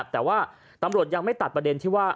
แต่ว่าตำรวจยังไม่ตัดประเด็นที่ว่า